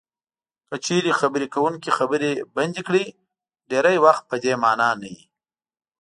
که چېرې خبرې کوونکی خبرې بندې کړي ډېری وخت په دې مانا نه وي.